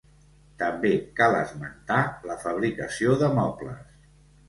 També cal esmentar la fabricació de mobles.